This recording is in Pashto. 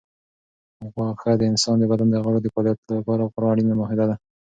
غوښه د انسان د بدن د غړو د فعالیتونو لپاره خورا اړینه ماده ده.